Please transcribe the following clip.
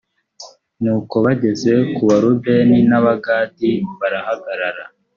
nuko bageze ku barubeni n ‘abagadi barahagarara.